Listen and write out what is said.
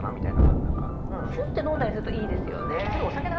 しゅって飲んだりするといいですよね。